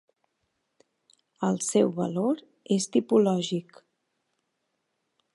El seu valor és tipològic.